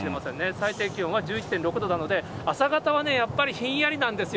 最低気温は１１．６度なので、朝方はやっぱりひんやりなんですよ。